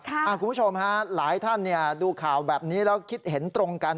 คุณผู้ชมฮะหลายท่านดูข่าวแบบนี้แล้วคิดเห็นตรงกัน